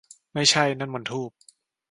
ไม่ใช่ ! นั่นมันธูป !